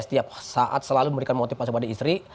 setiap saat selalu memberikan motivasi pada istri